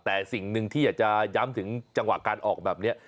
แต่สิ่งหนึ่งที่อยากจะย้ำถึงจังหวะการออกแบบนี้